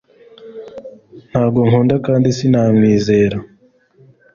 Ntabwo nkunda kandi sinamwizera